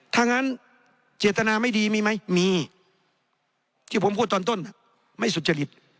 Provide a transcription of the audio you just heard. ถ้างั้นเจตนาไม่ดีมีไหมมีที่ผมพูดตอนต้นไม่สุจริต